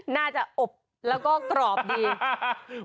น่าจะอบแล้วก็กรอบดี